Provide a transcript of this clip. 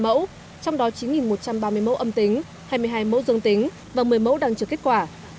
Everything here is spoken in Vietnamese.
chín một trăm sáu mươi hai mẫu trong đó chín một trăm ba mươi mẫu âm tính hai mươi hai mẫu dương tính và một mươi mẫu đăng trực kết quả